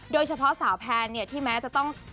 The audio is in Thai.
โดยเฉพาะสาวแพนเนี่ยที่แม้จะต้อง